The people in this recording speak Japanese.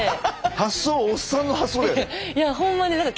発想おっさんの発想だよね。